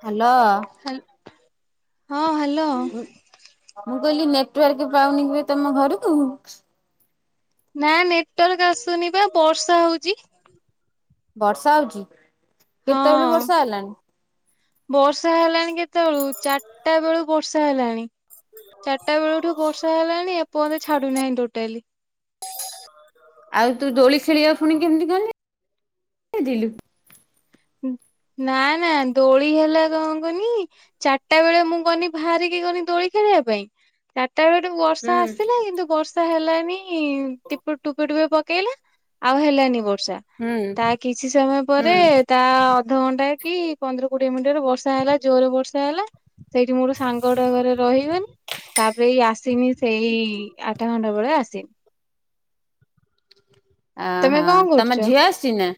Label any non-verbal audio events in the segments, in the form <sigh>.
<inaudible> Hello. ହାଲ୍ ହଁ hello. ମୁଁ କହିଲି ନେଟୱାର୍କ ପାଉନି କି ତମ ଘରକୁ? ନା ନେଟୱାର୍କ ଆସୁନି ବା ବର୍ଷା ହଉଚି। ବର୍ଷା ହଉଚି? ହଁ ବର୍ଷା ହେଲାଣି କେତେବେଳୁ ଚାରିଟା ବେଳୁ ବର୍ଷା ହେଲାଣି। ଚାରିଟା ବେଳଠୁ ବର୍ଷା ହେଲାଣି ଏ ଏ ପର୍ଯ୍ୟନ୍ତ ଛାଡୁନାହିଁ ଟୋଟାଲି। ଆଉ ତୁ ଦୋଳି ଖେଳିବା କୁ ପୁଣି କେମତି କଣ ଯାଇ ଥିଲୁ। ନା ନା ଦୋଳି ହେଲା କଣ କନି ଚାରିଟା ବେଳେ ମୁଁ ଗନି ବାହାରିକି ଗନି ଦୋଳି ଖେଳିବା ପାଇଁ ଚା ଚାରିଟା ବେଳଟୁ ହୁଁ। ବର୍ଷା ଆସିଲା କିନ୍ତୁ ବର୍ଷା ହେଲା ନି ତିପେ ଟୁପେ ଟୁପେ ପକେଇଲା। ଆଉ ହେଲାନି ବର୍ଷା ହୁଁ ତା କିଛି ସମୟ ପରେ ହୁଁ ତା ଅଧଘଣ୍ଟା କି ପନ୍ଦର କୋଡିଏ ମିନିଟ ରେ ବର୍ଷା ହେଲା ଜୋରରେ ବର୍ଷା ହେଲା ସେଇଠି ମୋର ସାଙ୍ଗଟା ଘରେ ରହିଗଲି ତାପରେ ଏଇ ଆସିନି ସେଇ ଆଠ ଘଣ୍ଟା ବେଳେ ଆସିନି। କଁ ତମେ ହଁ କଣ ତମ କରୁଛ? ଝିଅ ଆସଛିନା?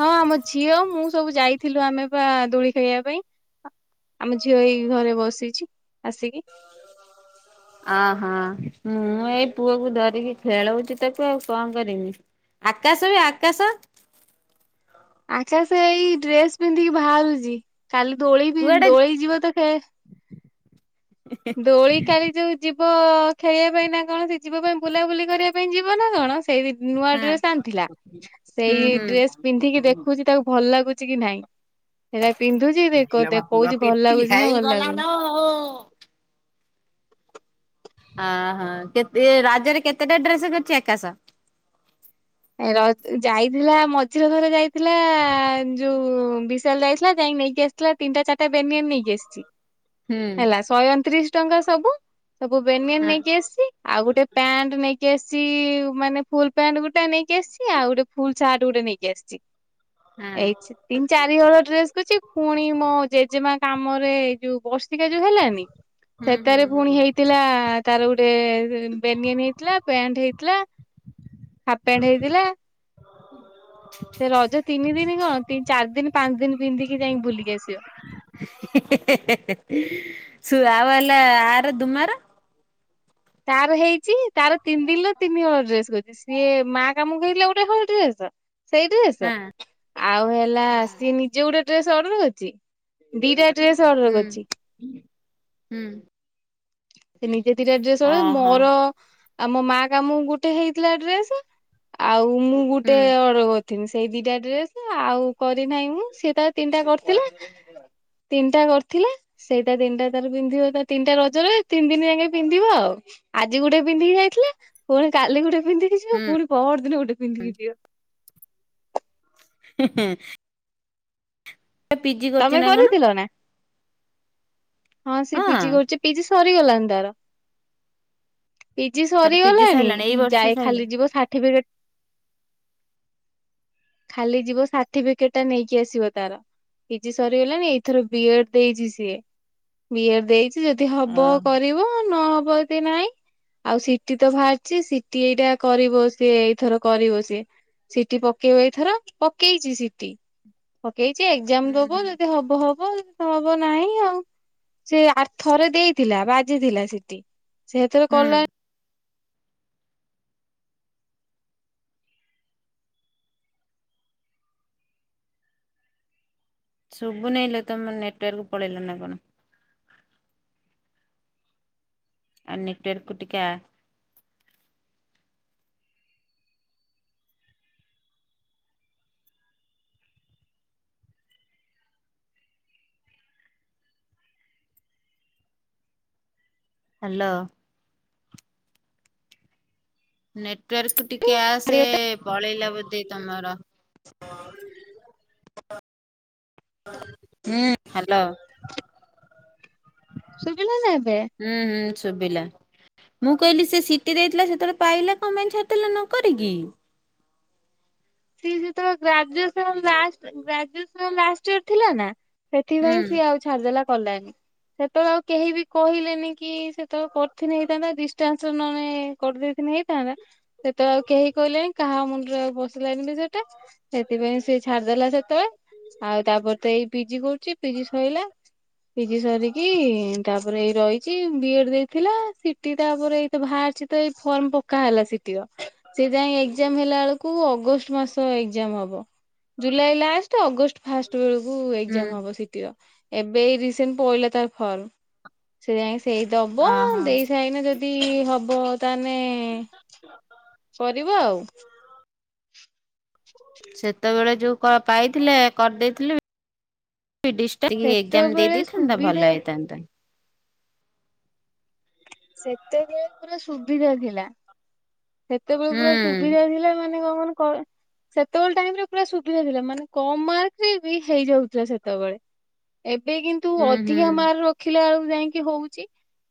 ହଁ ଆମ ଝିଅ ମୁଁ ସବୁ ଯାଇଥିଲୁ ଆମେ ବା ଦୋଳି ଖେଳିଆ ପାଇଁ ଆମ ଝିଅ ଏଇ ଘରେ ବସିଛି ଆସିକି। ଆ ହଁ ମୁଁ ଏଇ ପୁଅକୁ ଧରିକି ଖେଳଉଛି ତାକୁ ଆଉ କଣ କରିମି ଆକାଶ ବି ଆକାଶ ଆକାଶ ଏଇ ଡ୍ରେସ ପିନ୍ଧିକି ବାହାରୁଛିି କାଲି ଦୋଳି ବି କୁଆଡେ ଦୋଳି ଯିବ ତ ଖେ ଦୋଳିିକାଲି ଯୋଉ ଯି ବ ଖେଳିବା ପାଇଁ ନା କଣ ସେ ଯିବ ପାଇଁ ବୁଲାବୁଲି କରିବା ପାଇଁ ଯିବ ନା କଣ ସେଇ ବିପ ନୂଆ ଡ୍ରେସ ହଁ ଆଣିଥିଲା ସେଇ ହୁଁ ଡ୍ରେସ ପିନ୍ଧିକି ହୁଁ। ଦେଖୁଛି ତାକୁ ଭଲ ଲାଗୁ ଚି କି ନାହିଁ। ହେଇଟା ପିନ୍ଧୁଛି ଦେଖ ଇଲୋ ଦେ ମା ପୁଅ କହୁଛି ଭଲ ପିଟି ଲାଗୁଛି ନା ଭଲ ହେଇଗଲା ଲାଗୁନି। ଲୋ। ଅ ହ କେତେ ଏ ରଜରେ କେତେଟା ଡ୍ରେସ୍ କରିଛି ଆକାଶ? ଯାଇଥିଲା ମଝିରେ ଥରେ ଯାଇଥିଲା ଯୋଉ ବିଶାଲ୍ ଯାଇଥିଲା ଯାଇକି ନେଇକି ଆସିଥିଲା ତିନିଟା ଚାରିଟା ବେନିଅନ୍ ନେଇକି ଆସିଛି। ହୁଁ ହେଲା ଶହେ ଅଣତିରିଶ ଟଙ୍କା ସବୁ ସବୁ ବେନିଅନ୍ ହଁ ନେଇକି ଆସିଛି ଆଉ ଗୋଟେ ପ୍ୟାଣ୍ଟ ନେଇକି ଆସି ଛି ମାନେ ଫୁଲ୍ ପ୍ୟାଣ୍ଟ ଗୋଟା ନେଇ ନେଇକି ଆସିଛି ଆଉ ଗୋଟେ ଫୁଲ୍ ସାର୍ଟ ଗୋଟେ ନେଇକି ଆସିଛି। ହଁ ହେଇଛି ତିନି ଚାରିହଳ ଡ୍ରେସ୍ କରଛି ପୁଣି ମୋ ଜେଜେମା କାମରେ ଏଇ ଯୋଉ ବ ସିକା ଯୋଉ ହେଲାନି ହୁଁ ହୁଁ ସେଥେରେ ପୁଣି ହୁଁ ହେଇଥିଲା ତାର ଗୋଟେ ବେନିଅନି ହେଇଥିଲା ପ୍ୟାଣ୍ଟ ହେଇଥିଲା। ପେଣ୍ଡ ହେଇଥିଲା ସେ ରଜ ତିନି ଦିନି କଣ ତି ଚାରି ଦିନ ପାଞ୍ଚ ଦିନି ପିନ୍ଧିକି ଯାଇଁକି ବୁଲିକି ଆସିବ। ସୁ ଆଉ ହେଲା ଆର ଦୁମାର ତାର ହେଇଚି ତାର ତିନି ଦିନଳ ତିନି ହଳ ଡ୍ରେସ୍ କରଚି ସିଏ ମା କାମକୁ ହେଥିଲେ ଗୋଟେ ହଳ ଡ୍ରେସ ସେଇ ଡ୍ରେସ ହଁ ଆଉ ହେଲା ସିଏ ନିଜେ ଗୋଟେ ଡ୍ରେସ୍ ଅଡର କରିଚି ଦିଟା ଡ୍ରେସ ଅଡର ହୁଁ କରିଚି। ହୁଁ ସେ ନିଜେ ଦିଟା ଡ୍ରେସ୍ ଅଡ ଓହୋ ମୋର ଆମ ମା କାମକୁ ଗୋଟେ ହେଇଥିଲା ଡ୍ରେସ୍ ଆଉ ମୁଁ ହୁଁ ଗୁଟେ ଅଡର କ ଥିନି ସେଇ ଦିଟା ଡ୍ରେସ୍ ଆଉ କରିନାହିଁ ମୁଁ ସିଏ ତାର ତିନିଟା କରିଥିଲା ତିନିଟା କରିଥିଲା ସେଇଟା ତିନିଟା ତାର ପିନ୍ଧିବ ତା ତିନିଟା ରଜ ରେ। ତିନି ଦିନି ଯାଙ୍କେ ପିନ୍ଧିବ ଆଉ ଆଜି ଗୋଟେ ପିନ୍ଧିକି ଯାଇଥିଲା ପୁଣି କାଲି ଗୋଟେ ପିନ୍ଧିକି ଯିବ ହୁଁ ପୁଣି ପହରଦିନ ଗୋଟେ ପିନ୍ଧିକି ଯିବ। ହୁଁ ପିଜି କରୁଛି ତମେ ନା କଣ କରିଥିଲ ନା? ହଁ ସେ ପିଜି କରୁଚି ପିଜି ସ ସରିଗଲାଣି ତାର। ପିଜି ତାର ପିଜି ସରିଗଲାଣି ସରିଲାଣି ଏଇ ବର୍ଷ ଯାଇ ସରିଲା ଖାଲି ଯିବ ସାର୍ଟିଫିକେଟ୍ ଖାଲି ଯିବ ସାର୍ଟିପିକେଟ୍ ଟା ନେଇକି ଆସିବ ତାର। ପିଜି ସରିଗଲାଣି ଏଇଥର ବି ଏଡ ଦେଇଛି ସିଏ ବି ଏଡ ଦେଇଛି ଯଦି ହବ ହୁଁ କରିବ ନ ହ ହବ ଯଦି ନାଇଁ ଆଉ ସିଟି ତ ବାହାରିଛି ସିଟି ଏଇଟା କରିବ ସିଏ ଏଇଥର କରିବ ସିଏ ସିଟି ପକେଇବ ଏଇଥର ପକେଇଛି ସିଟି ପକେଇଛି ଏକ୍ଜାମ୍ ଦବ ହୁଁ ଯଦି ହବ ହବ ହବ ହବ ନାହିଁ ଆଉ ସେ ଆ ଥରେ ଦେଇଥିଲା ବାଜିଥିଲା ସିଟି ସେଥିରେ ହୁଁ କଲା ଶୁବୁ ନେଇଲୋ, ତମ ନେଟୱାର୍କ ପଳେଇଲା ନା କଣ? ଆ ନେଟୱାର୍କକୁ ଟିକେ ଆ। ହ୍ୟାଲୋ। ନେଟୱର୍କ ଟିକେ ଆସେ ପଳେଇଲା ବ ତମର <inaudible> ହୁଁ ହ୍ୟାଲୋ। ଶୁଭିଲାନା ଏବେ। ହୁଁ ହୁଁ ଶୁଭିଲା। ମୁଁ କହିଲି ସେ ସିଟି ଦେଇଥିଲା ସେତବେଳେ ପାଇଲା କଣ ପାଇଁ ଛାଡ଼ିଦଲା ନ କରିକି। ସିଏ ସେତେବେଲେ graduation last graduation last year ଥିଲା ନା- ହୁଁ ସେଥିପାଇଁ ସିଏ ଆଉ ଛାଡିଦେଲା। କଲାନି ସେତେବେଳେ ଆଉ କେହି ବି କହିଲେନି କି ସେତେବେଳେ କରିିଥିଲେ ହେଇଥାନ୍ତା ଡିଷ୍ଟାନ୍ସ ନହେଲେ କରିଦେଇଥିଲେ ହେଇଥାନ୍ତା ସେତେବେଳେ ଆଉ କେହି କହିଲେନି କାହା ମୁଣ୍ଡରେ ଆଉ ବ <unintelligible> ସେଥିପାଇଁ ସେ ଛାଡିଦେଲା ସେତେବେଳେ ଆଉ ତାପରେ ତ ଏଇ ପିଜି କରୁଛି। ପିଜି ସରିଲା। ପିଜି ସରିକି ତାପରେ ଏଇ ରହିଛି। ବି ଏଡ ଦେଇଥିଲା। ସିଟି ଟା ପରେ ଏଇତ ବାହାରିଛି ତ ଏଇ ଫର୍ମ ପକା ହେଲା ସେ ସେ ଯାଇ ଏକ୍ଜାମ୍ ହେଲା ବେଳକୁ ଅ ମାସ ଏକ୍ଜାମ୍ ହବ ଜୁଲାଇ ଲାଷ୍ଟ ଅଗଷ୍ଟ ଫାଷ୍ଟ ବେଳକୁ ହୁଁ ଏକ୍ଜାମ୍ ହବ ସିଟିର। ଏବେ ରିସେଣ୍ଟ ପଇଲା ତାର ଫର୍ମ ସେ ଯାଇଁ ସେଇ ଦବ ଓହୋ ଦେଇ ସାଇନେ ଯଦି ଯଦି ହବ ତାହା ହେନେ- କରିବ ଆଉ। ସେତେବେଳେ ଯୋଉ କ ପାଇଥିଲେ କରିଦେଇଥିଲେ- ଡିସ୍ ଟା <unintelligible> ଏକ୍ଜାମ୍ ସେତେବେଳେ ଦେଇଦେଇଥାନ୍ତା ସୁବିଧା ଭଲ ହେଇଥାନ୍ତା। ସେତେବେଳେ ପୁରା ସୁବିଧା ଥିଲା। ସେତେବେଳେ ହୁଁ ପୁରା ସୁବିଧା ଥିଲା ମାନେ କମ୍ ସେତେବେଳେ ଟାଇମରେ ପୁରା ସୁବିଧା ଥିଲା ମାନେ କମ ମାର୍କରେ ବି ହେଇଯାଉଥିଲା ସେତେବେଳେ। ଏବେ କିନ୍ତୁ ହୁଁ ହୁଁ ଅଧିକା ମାର୍କ ରଖିଲା ଆଳୁ ଯାଇକି ହଉଚି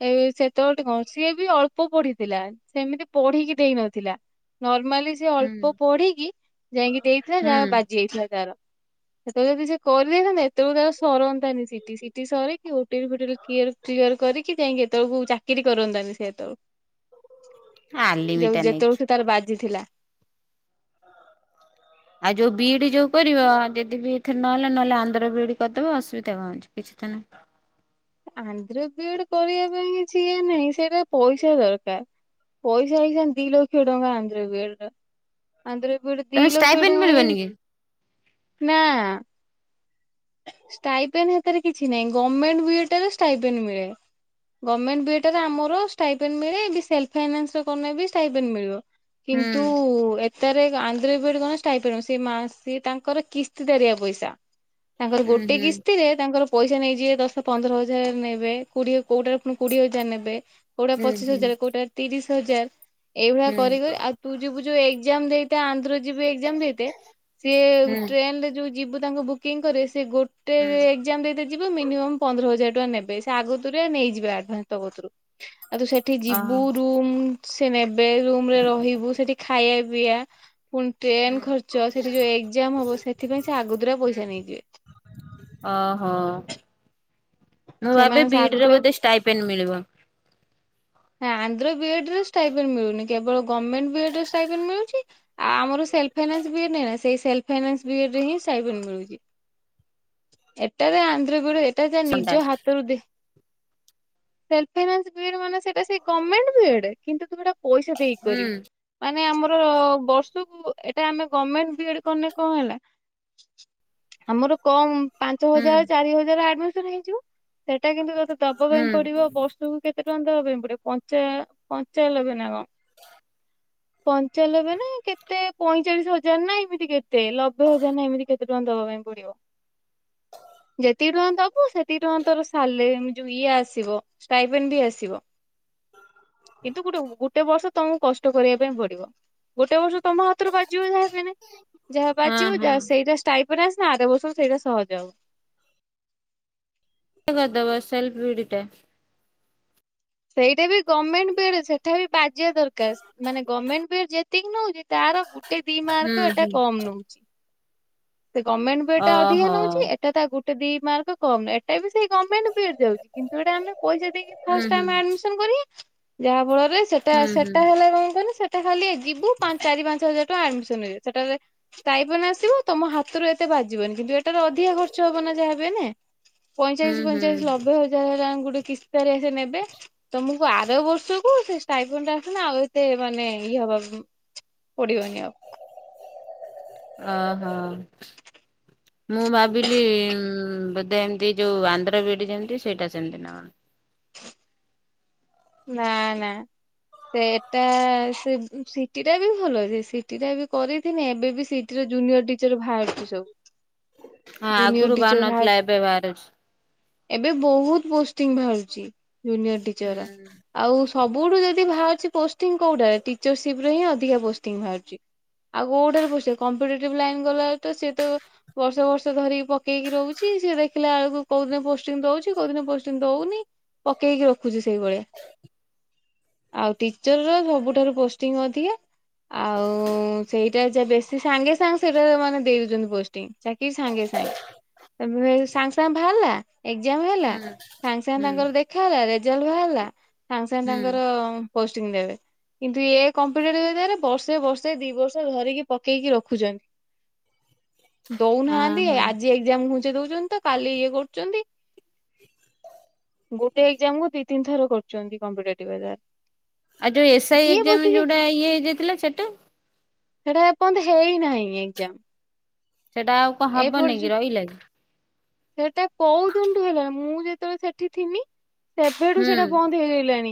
ଏଇ ସେତେବେଳଠି କଣ ସିଏ ବି ଅଳ୍ପ ପଢିଥିଲା ସେମିତି ପଢିକି ଦେଇ ନଥିଲା ନ ମାଲି ସେ ହୁଁ ଅଳ୍ପ ପଢିକି ଯାଇକି ଦେଇଥିଲା ଯା ହୁଁ ହଉ ବାଜି ଯାଇଥିଲା ତାର। ସେତେବେଳେ ଯଦି ସେ କରିଦେଇଥାନ୍ତା ଏତେବେଳକୁ ତାର ସରନ୍ତାଣି ସିଟି ସିଟି ସରିକି ଓଟିଟି ଫୋଟିଟି କିୟର କ୍ଲିୟର୍ କରିକି ଯାଇକି ଏତେବେଳକୁ ଚାକିରି କରନ୍ତାନି ସେତେବେକୁ ଯୋଉ ଆଲିମିଟା ନେଇକି ଯେତେବେଳକୁ ତାର ବାଜ ଜିଥିଲା ଆଉ ଯୋଉ ବିଇଡି ଯୋଉ କରିବ ଯଦି ବି ଏଥିରେ ନହେଲା ନହେଲେ ଆନ୍ଧ୍ର ବିଇଡି କରିଦବ ଅସୁବିଧା କଣ ଅଛି କିଛି ତ ନାହିଁ। ଆନ୍ଧ୍ର ବିଏଡ କରିବା ପାଇଁ କିଛି ଇଏ ନାହିଁ ସେଇଟା ପଇସା ଦରକାର ପଇସା ହେଇଛନ୍ତି ଦି ଲକ୍ଷ ଟଙ୍କା ଆନ୍ଧ୍ର ବିଏଡ ର। ଆନ୍ଧ୍ର ବିଇଡ ଦି ତମେ ଲକ୍ଷ ଷ୍ଟାଇପେନ୍ ଟଙ୍କା ଏଇ ମିଳିବନି କି? ନାଁ। ଷ୍ଟାଇପେନ୍ ହାତରେ କିଛି ନାହିଁ ଗଭମେଣ୍ଟ ବିଏଡ଼ଠାରେ ଷ୍ଟାଇପେନ୍ ମିଳେ ଗଭମେଣ୍ଟ ବିଏଡ଼ଠାରେ ଆମର ଷ୍ଟାଇପେନ୍ ମିଳେ ସେଲଫ ଫାଇନାନ୍ସ ରେ କନେ ବି ଷ୍ଟାଇପେନ୍ ମିଳିବ। ହୁଁ କିନ୍ତୁ ଏତାରେ ଆନ୍ଧ୍ର ବିଏଡ଼ ରେ କଣ ଷ୍ଟାଇପେନ୍ <unintelligible> ସେ ତାଙ୍କର କିସ୍ତି ଦାରିଆ ପଇସା। ତାଙ୍କର ହୁଁ ଗୋଟେ ହୁଁ କିସ୍ତିରେ ତାଙ୍କର ପଇସା ନେଇଯିବେ ଦଶପନ୍ଦର ହଜାର ନେବେ କୋଡିଏ କୋଉଟାରେ ପୁଣି କୋଡିଏ ହଜାର ନେବେ କୋଉଟା ହୁଁ ପଚିଶ ହୁଁ ହଜାର କୋଉଟା ତିରିଶ ହଜାର ଏଇଭଳିଆ କରିକରି ଆଉ ତୁ ଯିବୁ ଯୋଉ ଏଇ ଏକଜାମ ଦେଇତେ ଆନ୍ଧ୍ର ଯିବୁ ଏଗଜାମ୍ ଦେଇତେ ସିଏ ହୁଁ ଗୁ ହୁଁ ଟ୍ରେନରେ ଯୋଉ ଯିବୁ ତାଙ୍କୁ ବୁକିଂ କରିସ ସେ ଗୋଟ ଟେ ହୁଁ ଏକ୍ଜାମ ଦେଇତେ ଯିବୁ ମିନିମମ୍ ପନ୍ଦର ହଜାର ଟଙ୍କା ନେବେ ସେ ଆଗତୁରିଆ ନେଇଯିବେ ଆଡଭାନ୍ସ ତୋ କତିରୁ। ଆ ତୁ ସେଠି ଯିବୁ ଓହୋ। ରୁମ୍ ସିଏ ନେବ ବେ ରୁମ୍ ରେ ରହିବୁ ସେଠି ଖାଇଆ ପିଆ ପୁଣି ଟ୍ରେନ ଖର୍ଚ୍ଚ ସେଠିଯୋଉ ଏକଜାମ୍ ହବ ସେଥିପାଇଁ ସେ ଆଗତୁରା ପଇସା ନେଇଯିବେ। ଅ ହ। ମୁଁ ଭାବେ ସେମାନେ ସେ ବି ଡି ରେ ଆଗତୁରା ବୋଧେ ଷ୍ଟାଇପେନ୍ ମିଳିବ। ଆନ୍ଧ୍ର ବି ଡି ରେ ଷ୍ଟାଇପେନ୍ ମିଳୁନି କେବଳ ଗମେଣ୍ଟ୍ ବି ଡି ରେ ଷ୍ଟାଇପେନ୍ ମିଳୁଚି ଆ ଆମର ସେଲ୍ଫଫାଇନାନ୍ସ ବି ଡି ନୁହେଁ ନା ସେଇ ସେଲ୍ଫଫାଇନାନ୍ସ ବି ଡି ରେ ହିଁ ଷ୍ଟାଇପେନ୍ ମିଳୁଚି ଏଟାରେ ଆନ୍ଧ୍ର ବି ଡି ରେ ଟା ତା ନି ସନ୍ତାଏ ହାତରୁ ଦେଇ ସେଲ୍ଫଫାଇନାନ୍ସ ବି ଡି ମାନେ ସେଟା ସେଇ ଗମେଣ୍ଟ ବିଏଡ କିନ୍ତୁ ତୁମେ ହେଟା ପଇସାଦେଇକି ହୁଁ କରିବୁ ମା ମେ ଆମର ବର୍ଷକୁ ଏଟାଆମେ ଗଭମେଣ୍ଟ ବିଏଡ କଲେ କଣ ହେଲା ଆମର କମ ହୁଁ ପାଞ୍ଚହଜାର ଚାରିହଜାର ଆଡଭା <unintelligible> ହେଇଯିବ। ସେଟାକିନ୍ତୁ ତତେ ହୁଁ ଦବାପାଇଁ ପଡିବ ବର୍ଷ କୁ କେତେ ତୁରନ୍ତ ଦବା ପାଇଁ ପଡିବ ପଞ୍ଚା ପଞ୍ଚାଲବେ ନା କଣ। ପଞ୍ଚାଲବେ ନା କେତେ ପଇଁଚାଳିଶ ହଜାର ନା ଏମିତି କେତେ ଲବେ ହଜାର ନା ଏମିତି କେତେ ଟଙ୍କା ଦବା ପାଇଁ ପଡିବ ଯେତିକି ଟଙ୍କା ଦବୁ ସେ କ ଟଙ୍କା ତୋର ସାଲେ ଯୋଉ ଇଏ ଆସିବ ଷ୍ଟାଇପେନ୍ ବି ଆସିବ। କିନ୍ତୁ ଗୋଟେ ଗୋଟେ ବର୍ଷ ତମକୁ କଷ୍ଟ କରିବା ପାଇଁ ପଡିବ ଗୋଟେ ବର୍ଷ ତମ ହାତୁ ରୁ ବାଜିବ ଯହାବି ହେଲେ ଯାହା ହଁ ବାଜିବ ହଁ ଯାହା ସେଇଟା ଷ୍ଟା <unintelligible> ନା ଅର୍ ବର୍ଷ ସେଇଟା ସହଜ ହବ। କରି ଦବ ସେଲ୍ପ ବିଡିି ଟା। ସେଇଟା ବି ଗମେଣ୍ଟ ବଏଡ ସେଟା ବି ବାଜିବା ଦରକାର ମାନେ ଗମେଣ୍ଟ ବିଡି ଯେତିକି ନଉଛି ତାର ଗୋଟେ ଦି ହୁଁ ମାର୍କ ଏଟା ହୁଁ କମ ନଉଛି। ସେ ଗମେଣ୍ଟ ବି ଇ ଡି ଟା ଅଧିକ ଓହୋ ନେଉଛି ଏଟା ତା ଗୋଟେ ଦି ମାର୍କ କମ୍ ଏଟା ବି ସେଇ ଗମେଣ୍ଟ ବିଏଡ ଜାଉଛି କିନ୍ତୁ ଏଟା ଆମେ ପଇସା ଦେଇକ ହୁଁ ଫାଷ୍ଟ ହୁଁ ଆମେ ଆଡମିଶନ୍ କରିବା ଯାହା ଫଳରେ ସେଟା ହୁଁ ହୁଁ ସେଟା ହେଲା କଣ କହନି ସେ ସେଟା ଖାଲି ଯିବୁ ପାଞ୍ଚ ଚାରି ପାଞ୍ଚ ହଜାର ଆଡମିଶନ୍ ହେଇଯିବ ସେଟାରେ ଷ୍ଟାଇପେନ୍ ଆସିବ ତମ ହାତରୁ ଏତେ ବାଜିବନି କିନ୍ତୁ ଏଟାର ଅଧିକା ଖର୍ଚ୍ଚ ହବ ନା ଯାହା ବି ହେଲେ। ହୁଁ ପଇଁଚାଳସି ପଇଁଚାଳସି ହୁଁ ଲବେ ହଜାର ହେଲାଣି ଗ ବି କିି ପିପେରିସନ ନେବେ ତମକୁ ଆର ବର୍ଷକୁ ଫେ ଟାଇଫନ୍ ଟା ଆସନେ ଆଉ ଏତେ ମାନେ ଇଏ ହବ ଓ ହୋ। ମୁଁ ଭାବିଲି ବୋଧେ ଏମିତି ଯୋଉ ଆନ୍ଧ୍ର ବିଡି ଯେମିତି ସେଇଟା ସେମତି ନା କଣ। ନା ନା ସେଟା ସେ ସିଟି ଟା ବି ଭଲ ସେ ସିଟି ଟା ବି କରିଥିନି ଏବେ ବି ସିଟିର ଜୁନିୟର ଟିଚର ବାହାରୁଛି ସବୁ। ହଁ ଜୁନିୟର ଆଗରୁ ବାହାରୁ ଟିଚର ନଥିଲା ଏବେ ବାହାରୁଛି। ଏବେ ବହୁତ ପୋଷ୍ଟିଂ ବାହାରୁଛି। Junior teacher. ହୁଁ ଆଉ ସବୁଠୁ ଯଦି ବାହାରୁଛି ପୋଷ୍ଟିଂ କୋଉଠାରେ ଟିଚରସିପ ରେ ହିଁ ଅଧିକା ପୋଷ୍ଟିଂ ବାହାରୁଛି। ଆଉ କୋଉଠାରେ ପୋ କମ୍ପିଟେଟିଭ ଲାଇନ୍ ଗଲା ତ ସିଏ ତ ବର୍ଷ ବର୍ଷ ଧରିକି ପକେଇକି ରହୁଛି ସିଏ ଦେଖିଲା ବେଳକୁ କୋଉ ଦିନ ପୋଷ୍ଟିଂ ଦଉଛି କୋଉ ଦିନ ପୋଷ୍ଟିଙ୍ଗ ଦଉନି ପକେଇକି ରଖୁଛି ସେଇଭଳିଆ। ଆଉ ଟିଚର ର ସବୁଠାରୁ ପୋଷ୍ଟିଙ୍ଗ ଅଧିକ ଆଉ ସେଇଟା ଜା ବେଶୀ ସାଙ୍ଗେ ସାଙ୍ଗେ ସେଟା ମାନେ ଦେଇ ଦଉଛନ୍ତି ପୋଷ୍ଂ ଚାକିରି ସାଙ୍ଗେ ସାଙ୍ଗେ। ସାଙ୍ଗେ ସାଙ୍ଗେ ଭାରିଲା ଏକ୍ଜାମ ହେଲା ହୁଁ ସାଙ୍ଗେ ସାଙ୍ଗେ ହୁଁ ତାଙ୍କର ଦେଖାହେଲା ରେଜଲ୍ଟ ବାହାରିଲା ସାଙ୍ଗେ ସାଙ୍ଗେ ହୁଁ ତାଙ୍କର ପୋଷ୍ଟିଙ୍ଗି ଦେବେ କିନ୍ତୁ ଏ କମ୍ପୁଟର ବର୍ଷେ ବର୍ଷେ ଦି ବର୍ଷ ଧରିକି ପକେଇକି ରଖୁଛନ୍ତି। ହଁ ଦଉନାହାନ୍ତି ହଁ ଆଜି ଏକ୍ସଯାମ ଘୁଞ୍ଚେଇ ଦଉଛନ୍ତି ତ କାଲି ଇଏ କରୁଛନ୍ତି ଗୋଟେ ଏକ୍ସଯାମ କୁ ଦି ତିନିଥର କ କରୁଛନ୍ତି କମ୍ପିଟେଟିଭ <unintelligible> ଆଉ ଯୋଉ ଏସଆଇ କିଏ ଏକ୍ସମ ବସିକି ଯୋଉଟା ଇଏ ହେଇଯାଇଥିଲା ସେଟା? ସେଟା ଏପର୍ଯ୍ୟନ୍ତ ହେଇନାହିଁ ଏକ୍ସଯାମ। ସେଟା ଆଉ କଣ ହବନି କି ରହିଲା କି? ସେଟା କୋଉ ଦିନଠୁଁ ହେଲାଣି ମୁଁ ଯେ ତ ସେଠି ଥିମି ସେବେଠୁ ହୁଁ ସେଇଟା ବନ୍ଦ ହେଇଗଲାଣି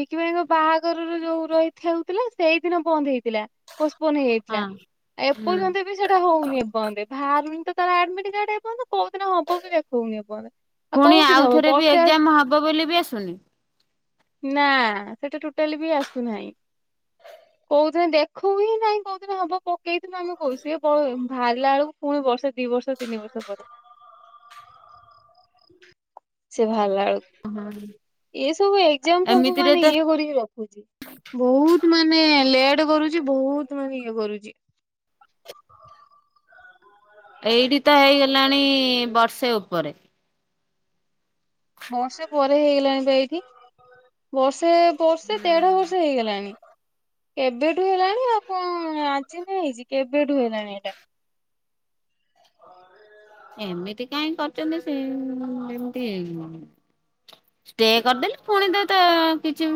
ବିକି ଭାଇଙ୍କ ବାହାଘର ଯୋଉ ରହିଥା ହେଉଥିଲା ସେଇଦିନ ବନ୍ଦ ହେଇଥିଲା ପୋଷ୍ଟପଣ୍ଡ ହଁ ହେଇଯାଇଥିଲା ହୁଁ ଏପର୍ଯ୍ୟନ୍ତ ବି ସେଟା ହଉନି ଏପର୍ଯ୍ୟନ୍ତେ ବାହାରୁନି ତ ତାର ଆଡମିଟ କାର୍ଡ ଏ ପଯ୍ୟନ୍ତ କୋଉ ଦିନ ହବ କି ଦେଖଉନି ଏ ପଯ୍ୟନ୍ତ ଆଉ ପୁଣି କୋଉ ଦିନ ହବ ଆଉଥରେ ବି ବର୍ଷେ ଆସି ଏକ୍ଜାମ ହବ ବୋଲି ବି ଆସୁନି। ନା ସେଟା ଟୋଟାଲି ବି ଆସୁନାହିଁ କୋଉ ଦିନ ଦେଖୁ ହିଁ ନାହିଁ କୋଉ ଦିନ ହବ ସେଇଥିପାଇଁ ଆମେ କହୁଛି ସେ ଵ ବାହାରିଲା ବେଳକୁ ପୁଣି ବର୍ଷେ ଦି ବର୍ଷ ତିନି ବର୍ଷ ପରେ ସେ ବାହାରିଲା ହଁ। ବେଳକୁ ଏ ସବୁ ଏକ୍ସଯାମ ଏମିତିରେ ମାନେ ତ ଇଏ କରିକି ରଖୁଛି ବହୁତ ମାନେ ଲେଟ କରୁଛି ବହୁତ ମାନେ ଇଏ କରୁଛି।। ଏଇଠି ତ ହେଇଗଲାଣି ବର୍ଷେ ଉପରେ ବର୍ଷେ ପରେ ହେଇଗଲାଣି ବା ଏଇଠି ବର୍ଷେ ସେ ବର୍ଷେ ହୁଁ। ଦେଢ ବର୍ଷ ହେଇଗଲାଣି କେବେଠୁ ହେଲାଣି ଆପଣ ଆଜି ନା ହେଇଛି କେବେଠୁ ହେଲାଣି ଏଇଟା ଏମିତି କାହିଁ କରିଛନ୍ତି ସେମିତି ଷ୍ଟେ କରିଦେଲେ ପୁଣି ଦେ ତ କିଛି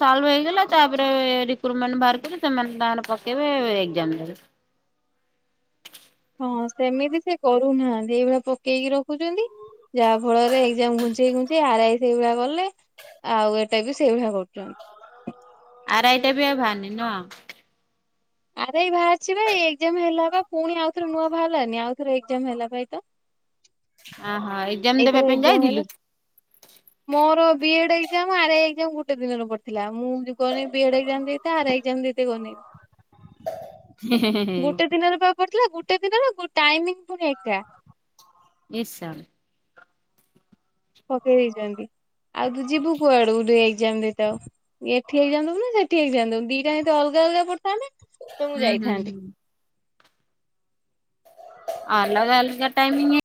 ସୋଲଭ ହେଇଗଲା ତାପରେ ରିକ୍ୟୁ ଟମେଣ୍ଟ ବାହାର କରି ସେମାନେ ତାଙ୍କର ପକେଇବେ ଏକ୍ସଯାମ ଦେଲେ ହଁ ସେମିତି ସେ କରୁନାହାନ୍ତି ଏଇଭଳିଆ ପକେଇକି ରଖୁଛନ୍ତି ଯାହା ଫଳରେ ଏକ୍ସଯାମ ଘୁଞ୍ଚେଇ ଘୁଞ୍ଚେଇ ଆର ଆଇ ସେଇଭଳିଆ କଲେ ଆଉ ଏଟା ବି ସେଇଭଳିଆ କରୁଛନ୍ତି। ଆର ଆଇ ଟା ବି ବାହାରିନି।। <unintelligible> ଆରାଇ ବାହାରିଛିିବା ଏଇ ଏକ୍ସଯାମ ହେଲା ବା ପୁଣି ଆଉଥରେ ନୂଆ ବାହାରିଲାନି ଆଉ ଥ ଏକ୍ସଯାମ ହେଲା ପା ଏଇ ତ ଅହୋ ଏକ୍ଜାମ ଦେବା ଏଇଥର ପାଇଁ ଏକ୍ସଯାମ୍ ହେଲା ଯାଇଥିଲୁ? ମୋର B Ed exam R I exam ଗୋଟେ ଦିନରେ ପଡିଥିଲା ମୁଁ ଗଲି ବି ଏଡ ଏକ୍ସଜାମ୍ ଦେଇତେ ଆର ଆଇ ଏକ୍ସଜାମ୍ ଦେଇତେ ଗନି ନି ହୁଁ ହୁଁ ହୁଁ ପଡି ଥିଲା ଗୋଟେ ଦିନରେ ଗୋ ଟାଇମମିଙ୍ଗ ଫୁଣି ଏକା ହି ଶା ପକେଇ ଦେଇଛନ୍ତି। ଆଉ ତୁ ଯିବୁ କୁଆଡୁ ଦୁଇକ ଯେମିତି ହେଇ ଥାଉ। ଏଠି ହେଇଯାଆନ୍ତୁ ନା ସେଠି ହେଇ ଯାଆନ୍ତୁ ଦିଟା ଏତେ ଅଲଗା ଅଲଗା ପଡିଥାନ୍ତେ। ହୁଁ ହୁଁ ହୁଁ। ଅଲଗା ଅଲଗା ଟାଇମିଂ।